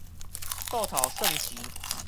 倒頭算時